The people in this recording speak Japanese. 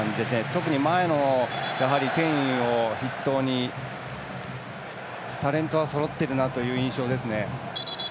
特に前のケインを筆頭にタレントはそろっている印象です。